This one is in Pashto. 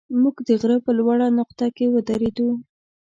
موږ د غره په لوړه نقطه کې ودرېدو.